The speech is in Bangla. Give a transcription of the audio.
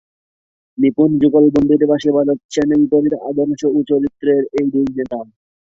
নিপুণ যুগলবন্দীর বাঁশি বাজাচ্ছেন বিপরীত আদর্শ ও চরিত্রের এ দুই নেতা।